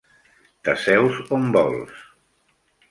T'asseus on vols.